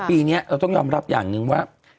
ปีนี้เราต้องยอมรับอย่างหนึ่งว่า